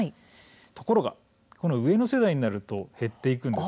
ところが上の世代にくると減っています。